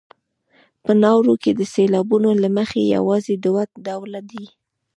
په نارو کې د سېلابونو له مخې یوازې دوه ډوله دي.